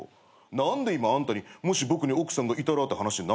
何で今あんたにもし僕に奥さんがいたらって話になんのよ。